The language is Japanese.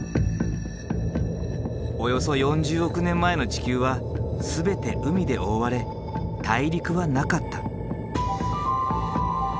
およそ４０億年前の地球は全て海で覆われ大陸はなかった。